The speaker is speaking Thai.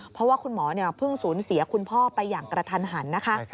เพราะว่าคุณหมอเพิ่งสูญเสียคุณพ่อไปอย่างกระทันหันนะคะ